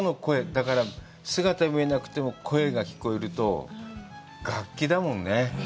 だから、姿は見えなくても、声が聞こえると、楽器だもんね。